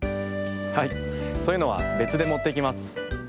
はいそういうのはべつでもっていきます。